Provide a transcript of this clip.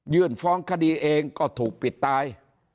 ฟ้องคดีเองก็ถูกปิดตาย